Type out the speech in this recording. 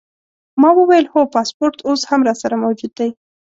ما وویل: هو، پاسپورټ اوس هم راسره موجود دی.